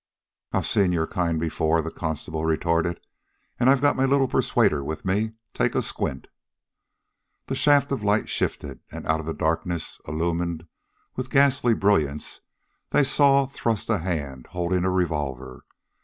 "I've seen your kind before," the constable retorted. "An' I've got my little persuader with me. Take a squint." The shaft of light shifted, and out of the darkness, illuminated with ghastly brilliance, they saw thrust a hand holding a revolver.